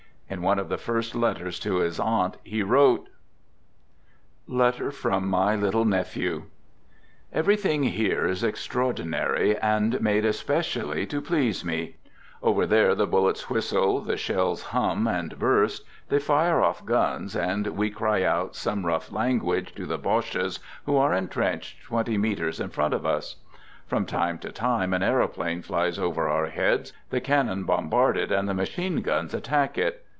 In one of the first letters to his aunt he wrote: (Letter from "My Little Nephew") Everything here is extraordinary, and made espe cially to please me ! Over there the bullets whistle, the shells hum and burst: they fire off guns, and we cry out some rough 104 Digitized by THE GOOD SOLDIER" 105 language to the Bodies who are entrenched twenty meters in front of us. From time to time an aeroplane flies over oui heads ; the cannon bombard it and the machine guns attack it.